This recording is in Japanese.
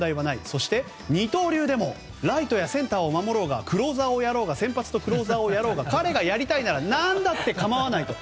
そして、二刀流でもライトやセンターを守ろうがクローザーをやろうが先発とクローザーをやろうが彼がやりたいなら何だって構わないと。